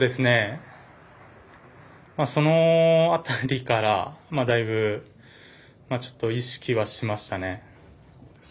その辺りから、だいぶちょっと意識はしましたね。